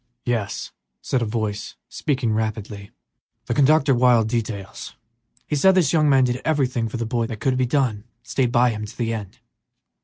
"Yes," said a heavy voice, speaking rapidly, "the conductor wired details; he said this young man did everything for the boy that could be done, and stayed by him to the end."